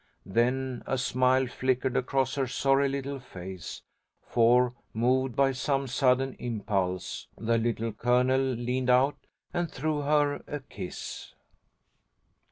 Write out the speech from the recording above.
Then a smile flickered across her sorry little face, for, moved by some sudden impulse, the Little Colonel leaned out and threw her a kiss.